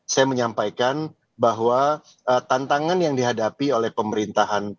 saya menyampaikan bahwa tantangan yang dihadapi oleh pemerintahan